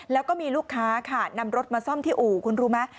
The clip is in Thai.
แล้วก็มีลูกค้าค่ะนำรถมาซ่อมที่อู่คุณรู้ไหม